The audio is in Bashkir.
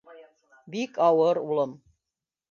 — Бик ауыр, улым.